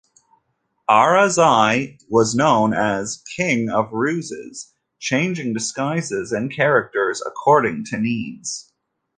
Arazi was known as "King of Ruses" changing disguises and characters according to needs.